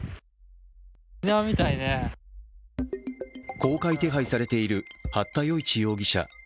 公開手配されている、八田與一容疑者。